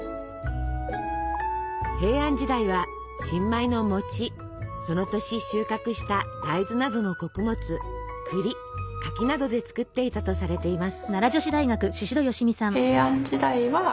平安時代は新米のその年収穫した大豆などの穀物栗柿などで作っていたとされています。